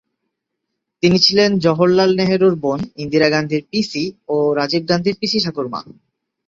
তিনি ছিলেন জওহরলাল নেহেরুর বোন, ইন্দিরা গান্ধীর পিসি ও রাজীব গান্ধীর পিসি-ঠাকুরমা।